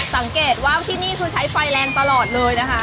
สังเกตว่าที่นี่คือใช้ไฟแรงตลอดเลยนะคะ